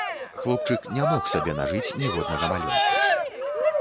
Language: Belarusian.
Хлопчык не мог сабе нажыць ніводнага малюнку.